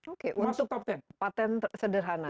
oke untuk patent sederhana